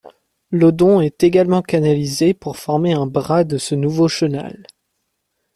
L'Odon est également canalisé pour former un bras de ce nouveau chenal.